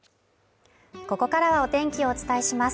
ここからはお天気をお伝えします。